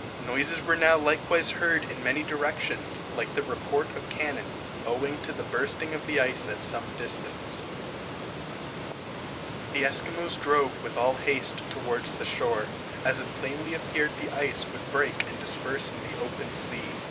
Noises were now likewise heard in many directions, like the report of cannon, owing to the bursting of the ice at some distance. The Esquimaux drove with all haste towards the shore, as it plainly appeared the ice would break and disperse in the open sea.